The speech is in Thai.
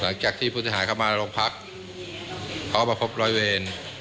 หลังจากที่พุทธิหายเขามาโรงพักษณ์เขามาพบรอยเวร